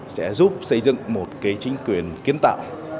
sẽ giúp xây dựng một cái chính quyền kiến tạo